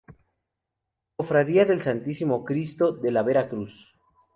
Cofradía del Santísimo Cristo de la Vera Cruz.